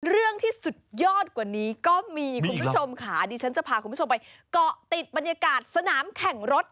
ที่สุดยอดกว่านี้ก็มีคุณผู้ชมค่ะดิฉันจะพาคุณผู้ชมไปเกาะติดบรรยากาศสนามแข่งรถ